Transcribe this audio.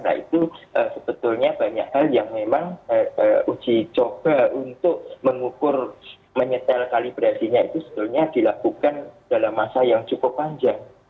nah itu sebetulnya banyak hal yang memang uji coba untuk mengukur menyetel kalibrasinya itu sebetulnya dilakukan dalam masa yang cukup panjang